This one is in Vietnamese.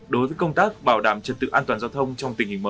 đối với công tác bảo đảm trật tự an toàn giao thông trong tình hình mới